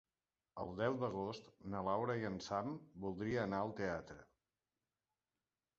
El deu d'agost na Laura i en Sam voldria anar al teatre.